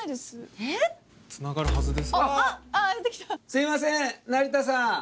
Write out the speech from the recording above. すいません成田さん。